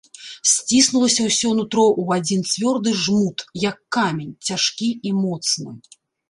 Сціснулася ўсё нутро ў адзін цвёрды жмут, як камень, цяжкі і моцны.